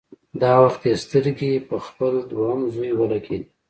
دا وخت يې سترګې په خپل دويم زوی ولګېدې.